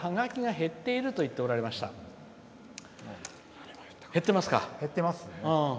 減ってます。